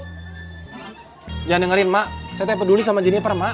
jangan dengerin mak saya tidak peduli sama jennifer mak